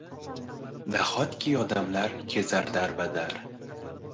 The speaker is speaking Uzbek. Nahotki odamlar kezar darbadar?!